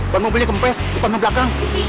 ban mobilnya kempes depan dan belakang